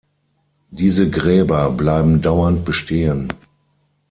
Diese Gräber bleiben dauernd bestehen.